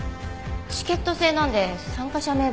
チケット制なんで参加者名簿はありません。